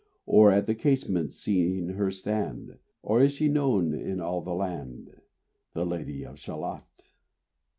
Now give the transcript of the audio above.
Or at the casement seen her stand? Or is she known in all the land, The Lady of Shalott?